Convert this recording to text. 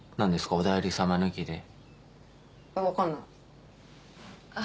おだいり様抜きでわかんないあっ